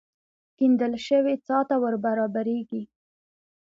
کېندل شوې څاه ته ور برابرېږي.